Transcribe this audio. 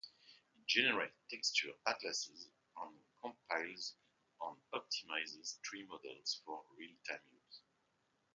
It generates texture atlases and compiles and optimizes tree models for real-time use.